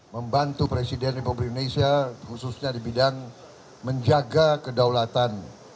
membantu presiden republik indonesia khususnya di bidang menjaga kedaulatan